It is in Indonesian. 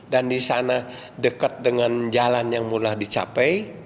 dan di sana dekat dengan jalan yang mudah dicapai